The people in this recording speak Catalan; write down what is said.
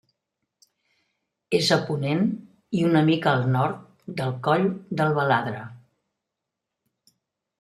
És a ponent i una mica al nord del Coll del Baladre.